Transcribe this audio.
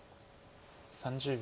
３０秒。